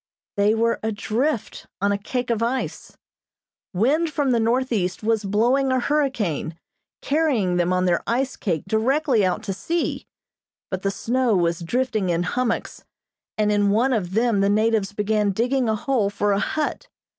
They were adrift on a cake of ice. Wind from the northeast was blowing a hurricane, carrying them on their ice cake directly out to sea; but the snow was drifting in hummocks, and in one of them the natives began digging a hole for a hut.